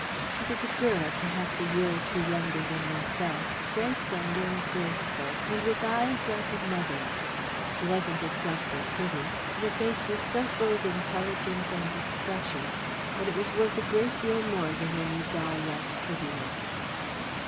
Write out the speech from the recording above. She was a girl, perhaps a year or two younger than myself, very slender and graceful, and with eyes like a mother's. She wasn't exactly pretty, but her face was so full of intelligence and expression that it was worth a great deal more than any doll like prettiness.